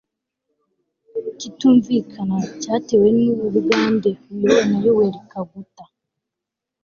kitumvikana cyatewe n u bugande buyobowe na yoweri kaguta